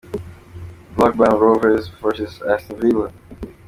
Mar, Blackburn Rovers vs Aston Villa.